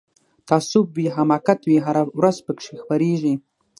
تعصب وي حماقت وي هره ورځ پکښی خپریږي